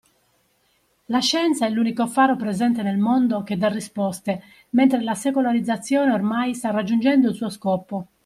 La scienza è l'unico faro presente nel mondo che dà risposte mentre la secolarizzazione ormai sta raggiungendo il suo scopo